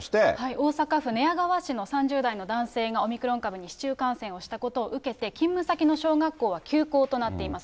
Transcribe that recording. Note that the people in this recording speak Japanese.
大阪府寝屋川市の３０代の男性がオミクロン株に市中感染したことを受けて、勤務先の小学校は休校となっています。